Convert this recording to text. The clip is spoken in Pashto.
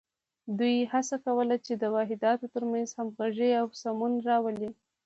دوی هڅه کوله چې د واحداتو تر منځ همغږي او سمون راولي.